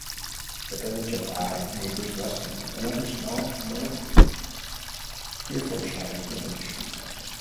The village of Eye neighbours Luston, another small north Herefordshire village.